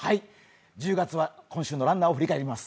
１０月は今週のランナーを振り返ります。